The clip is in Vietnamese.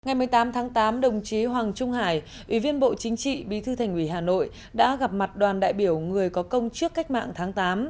ngày một mươi tám tháng tám đồng chí hoàng trung hải ủy viên bộ chính trị bí thư thành ủy hà nội đã gặp mặt đoàn đại biểu người có công trước cách mạng tháng tám